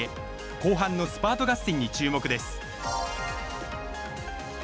後半のスパート合戦に注目です。